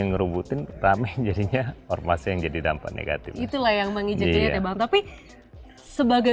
ngerubutin rame jadinya ormas yang jadi dampak negatif itulah yang mengijakkan ya tapi sebagai